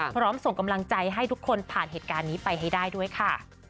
ส่งกำลังใจให้ทุกคนผ่านเหตุการณ์นี้ไปให้ได้ด้วยค่ะ